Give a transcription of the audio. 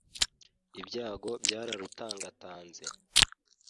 ibyago byarutangatanze